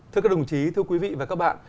thưa các đồng chí thưa quý vị và các bạn